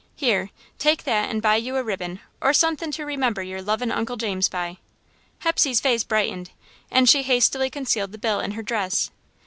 "Here, take that and buy you a ribbon or sunthin' to remember your lovin' Uncle James by." Hepsey's face brightened, and she hastily concealed the bill in her dress.